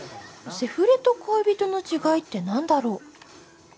セフレと恋人の違いってなんだろう？